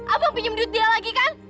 abang pinjam duit dia lagi kan